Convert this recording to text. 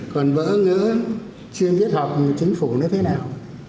còn vỡ ngỡ chuyên viết họp chính phủ nữa thế nào